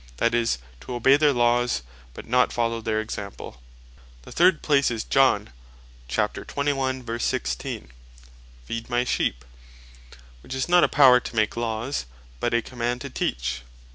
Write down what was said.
That is, to obey their Laws, but not follow their Example. The third place, is John 21.16. "Feed my sheep;" which is not a Power to make Laws, but a command to Teach.